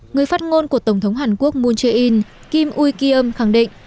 người phát ngôn của tổng thống hàn quốc moon jae in kim woo ki yum khẳng định